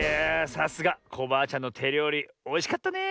さすがコバアちゃんのてりょうりおいしかったねえ。